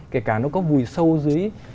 kể cả nó có bùi sâu dưới